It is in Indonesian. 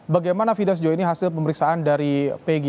bagaimana fida sejauh ini hasil pemeriksaan dari pg